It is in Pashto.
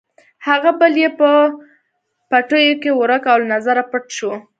هغه بل یې په پټیو کې ورک او له نظره پټ شو.